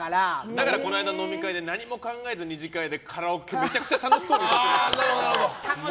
だから、この間の飲み会で何も考えず２次会でカラオケめちゃくちゃ楽しそうに歌ってた。